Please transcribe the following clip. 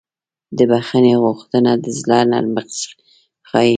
د بښنې غوښتنه د زړه نرمښت ښیي.